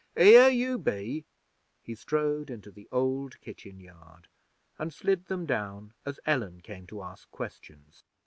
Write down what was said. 'Here you be.' He strode into the old kitchen yard, and slid them down as Ellen came to ask questions.